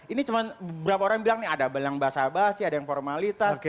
ini cuma beberapa orang bilang nih ada yang basah basi ada yang formalitas